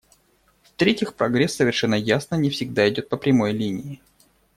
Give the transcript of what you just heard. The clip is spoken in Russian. В-третьих, прогресс, совершенно ясно, не всегда идет по прямой линии.